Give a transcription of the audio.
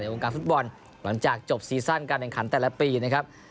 วงการฟุตบอลหลังจากจบซีซั่นการแข่งขันแต่ละปีนะครับ